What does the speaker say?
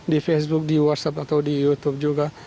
di facebook di whatsapp atau di youtube juga